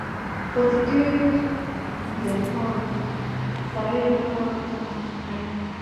خو د دیر د خان سړیو لاره ورته بنده کړې وه.